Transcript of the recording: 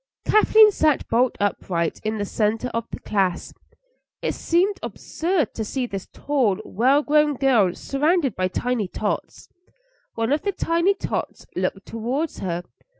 Kathleen sat bolt upright in the centre of the class. It seemed absurd to see this tall, well grown girl surrounded by tiny tots. One of the tiny tots looked towards her.